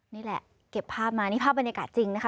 นี่แหละเก็บภาพมานี่ภาพบรรยากาศจริงนะคะ